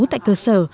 tại cơ sở